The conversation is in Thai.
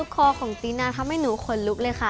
คอของตินาทำให้หนูขนลุกเลยค่ะ